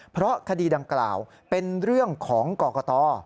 เพราะคดีดังกล่าวเป็นเรื่องของกรกต